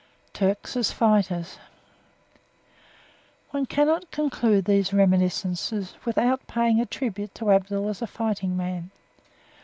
TURKS AS FIGHTERS One cannot conclude these reminiscences without paying a tribute to Abdul as a fighting man.